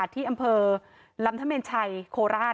ที่อำเภอลำธเมนชัยโคราช